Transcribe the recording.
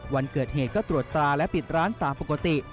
วันเกิดเหตุก็ตรวจตราและปิดร้านตามปกติ